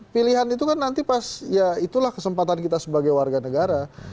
pilihan itu kan nanti pas ya itulah kesempatan kita sebagai warga negara